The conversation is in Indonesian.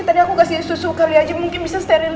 ini tadi aku kasih susu kali aja mungkin bisa sterilin mas